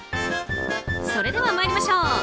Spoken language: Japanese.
それでは参りましょう。